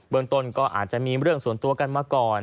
เมืองต้นก็อาจจะมีเรื่องส่วนตัวกันมาก่อน